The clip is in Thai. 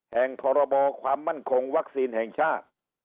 แห่งพรบความมั่นคงวัคซีนแห่งชาติ